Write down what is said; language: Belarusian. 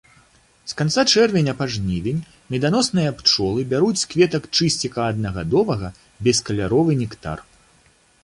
З канца чэрвеня па жнівень меданосныя пчолы бяруць з кветак чысціка аднагадовага бескаляровы нектар.